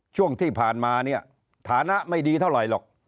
ช่วงที่ผ่านมาเนี่ยฐานะไม่ดีเท่าไหร่หรอก